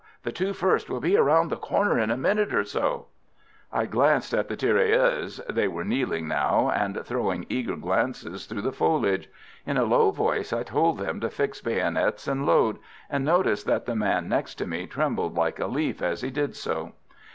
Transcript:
The two first will be round the corner in a minute or so." I glanced at the tirailleurs. They were kneeling now, and throwing eager glances through the foliage. In a low voice I told them to fix bayonets and load, and noticed that the man next to me trembled like a leaf as he did so.